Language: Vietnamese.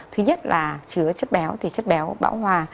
thứ nhất là chứa chất béo thì chất béo bão hòa